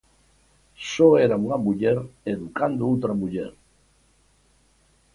Só era unha muller educando outra muller.